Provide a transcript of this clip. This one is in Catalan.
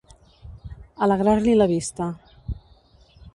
Alegrar-li la vista.